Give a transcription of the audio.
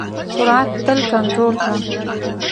سرعت تل کنټرول کړه.